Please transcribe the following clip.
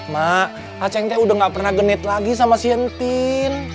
mak aceng teh udah gak pernah genit lagi sama sientin